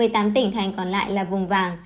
một mươi tám tỉnh thành còn lại là vùng vàng